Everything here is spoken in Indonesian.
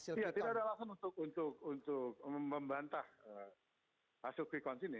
iya tidak ada alasan untuk membantah hasil quick count ini